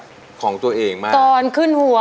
สิบนิ้วผนมและโกมลงคราบ